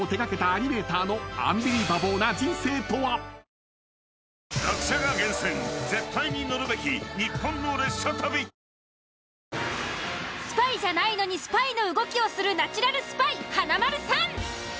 十六種類で十六茶スパイじゃないのにスパイの動きをするナチュラルスパイ華丸さん。